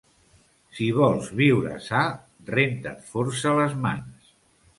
Si vols viure sa, renta't força les mans.